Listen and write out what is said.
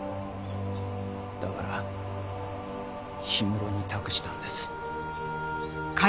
だから氷室に託したんです。